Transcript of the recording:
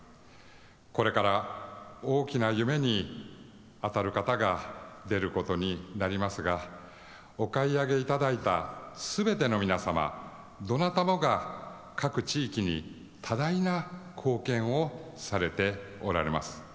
これから大きな夢に当たる方が出ることになりますがお買い上げいただいたすべての皆様、どなたもが各地域に多大な貢献をされております。